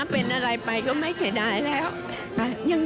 ภารกิจตัวต่าง